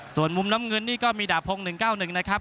ส่วนมุมน้ำเงินนี่ก็มีดาบพงศ์๑๙๑นะครับ